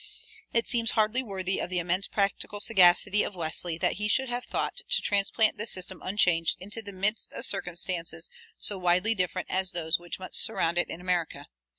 It seems hardly worthy of the immense practical sagacity of Wesley that he should have thought to transplant this system unchanged into the midst of circumstances so widely different as those which must surround it in America.